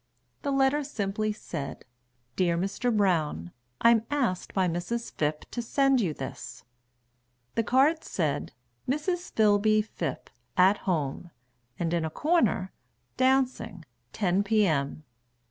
The letter simply said "Dear Mr. Brown, I'm asked by Mrs. Phipp to send you this"; The card said, "Mrs. Philby Phipp, At Home," And in a corner, "Dancing, 10 p.m.